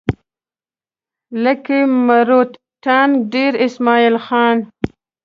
لکي مروت ټانک ډېره اسماعيل خان